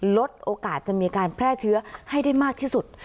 ลดโอกาสจะมีการแพร่เชื้อให้ได้มากที่สุด